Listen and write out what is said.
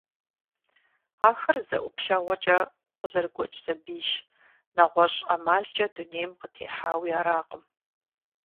Ахэр зэ ӀуплъэгъуэкӀэ къызэрыгуэкӀ сабийщ, нэгъуэщӀ ӀэмалкӀэ дунейм къытехьауи аракъым.